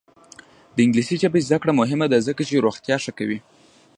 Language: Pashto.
د انګلیسي ژبې زده کړه مهمه ده ځکه چې روغتیا ښه کوي.